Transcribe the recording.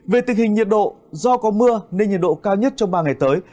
về tình hình nhiệt độ do có mưa nên nhiệt độ cao nhất trong ba ngày tới